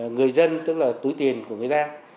người dân tức là túi tiền của người ta